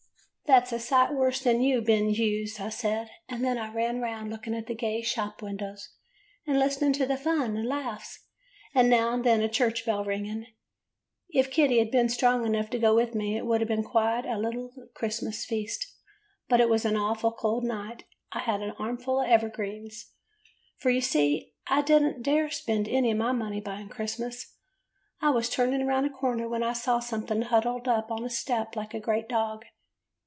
" 'That 's a sight worse than you, Ben Hewes,' I said. And then I ran round looking at the gay shop windows, and listening to the fun and laughs, and now and then a church bell ringing. If Kitty had been strong enough to go with me it would have been quite a little Christmas feast. But it was a awful cold night. I had an armful of evergreens, for you [ 58 ] HOW BEN FOUND SANTA CLAUS see I did n't dare spend any of my money buying Christmas. I was turning round a cor ner when I saw something huddled up on the step like a great dog.